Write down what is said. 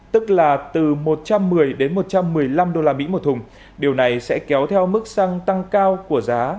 tức là từ một trăm một mươi đến một trăm một mươi năm usd một thùng điều này sẽ kéo theo mức xăng tăng cao của giá